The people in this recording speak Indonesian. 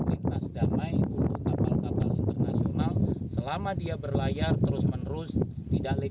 pertanyaan terakhir bagaimana menurut anda